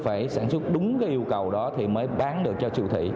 phải sản xuất đúng cái yêu cầu đó thì mới bán được cho triều thị